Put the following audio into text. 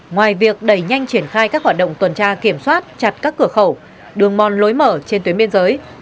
ngoài việc đẩy nhanh triển khai các hoạt động tuần tra kiểm soát chặt các cửa khẩu đường mòn lối mở trên tuyến biên giới